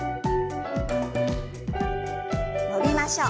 伸びましょう。